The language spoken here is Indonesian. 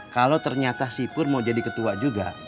kalau ternyata sipur mau jadi ketua juga